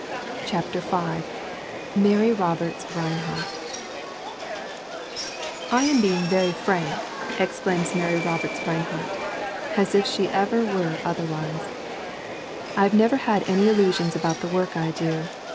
CHAPTER V MARY ROBERTS RINEHART I AM being very frank," exclaims Mary Roberts Rinehart. As if she ever were otherwise! "I have never had any illusions about the work I do.